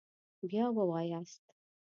بیا ووایاست